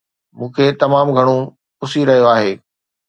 مون کي تمام گهڻو پسي رهيو آهي